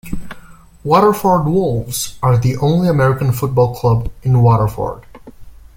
Waterford Wolves are the only American football club in Waterford.